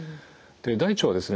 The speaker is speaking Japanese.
大腸はですね